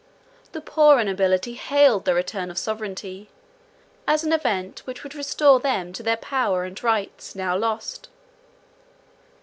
The poorer nobility hailed the return of sovereignty, as an event which would restore them to their power and rights, now lost.